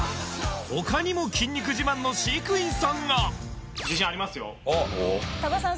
他にも筋肉自慢の飼育員さんが多賀さん